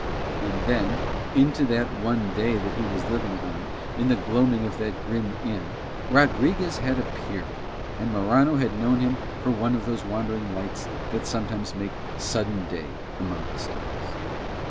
And then, into that one day that he was living on in the gloaming of that grim inn, Rodriguez had appeared, and Morano had known him for one of those wandering lights that sometimes make sudden day among the stars.